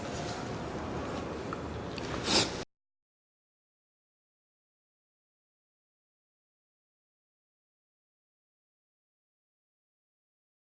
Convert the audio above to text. terima kasih pak